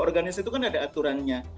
organisasi itu kan ada aturannya